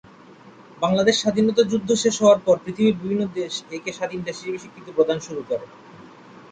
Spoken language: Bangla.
বাংলাদেশ স্বাধীনতা যুদ্ধ শেষ হওয়ার পর পৃথিবীর বিভিন্ন দেশ একে স্বাধীন দেশ হিসেবে স্বীকৃতি প্রদান করা শুরু করে।